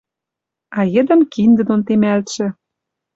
А йӹдӹм киндӹ дон темӓлтшӹ